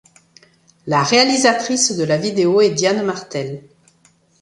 La réalisatrice de la vidéo est Diane Martel.